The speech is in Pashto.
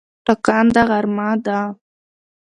ټکنده غرمه ده